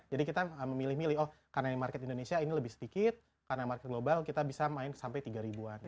jadi kita memilih milih oh karena market indonesia ini lebih sedikit karena market global kita bisa main sampai tiga an